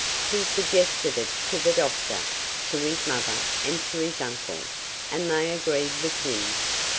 He suggested it to the doctor, to his mother and to his uncle, and they agreed with him.